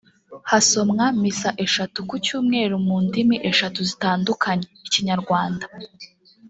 hasomwa misa eshatu ku cyumweru mu ndimi eshatu zitandukanye (Ikinyarwanda